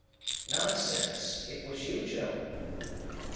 "Nonsense. It was you, Joe."